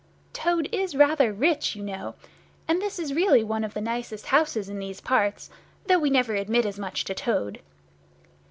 Toad is rather rich, you know, and this is really one of the nicest houses in these parts, though we never admit as much to Toad."